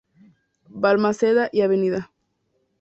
Balmaceda y Av.